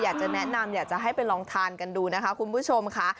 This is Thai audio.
อยากจะแนะนำอยากจะให้ไปลองทานกันดูนะคะคุณผู้ชมค่ะ